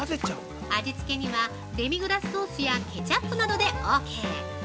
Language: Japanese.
味付けにはデミグラスソースやケチャップなどでオーケー。